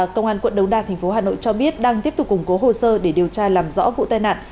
công an quận đống đa tp hà nội cho biết đang tiếp tục củng cố hồ sơ để điều tra làm rõ vụ tai nạn